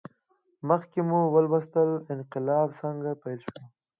مخکې مو ولوستل انقلاب څنګه پیل شو.